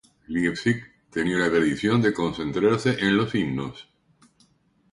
Leipzig tenía la tradición de concentrarse en los himnos.